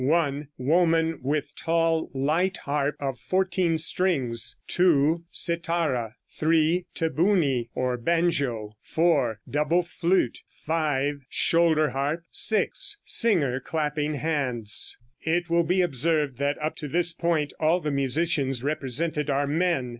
(1) Woman with tall light harp, of fourteen strings. (2) Cithara. (3) Te bouni, or banjo. (4) Double flute. (5) Shoulder harp. (6) Singer, clapping hands.] It will be observed that up to this point all the musicians represented are men.